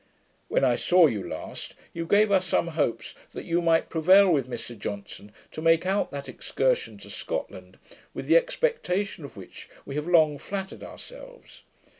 When I saw you last, you gave us some hopes that you might prevail with Mr Johnson to make that excursion to Scotland, with the expectation of which we have long flattered ourselves.